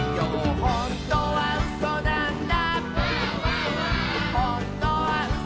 「ほんとにうそなんだ」